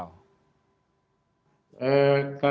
karena kita harus lihat dulu motifnya apa